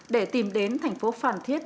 để tìm đến thành phố phàn thiết